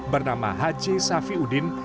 bernama haji safiuddin